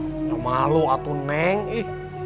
ya nanti deh pas bulan puasa